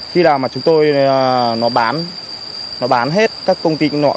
khi nào mà chúng tôi nó bán nó bán hết các công ty nọ công ty kia